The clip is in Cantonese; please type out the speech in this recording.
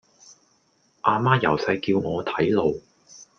啊媽由細叫我睇路